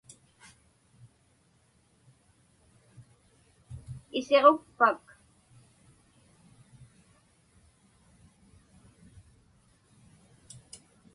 Isiġukpak?